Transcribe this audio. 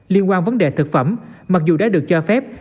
liên quan vấn đề thực phẩm mặc dù đã được cho phép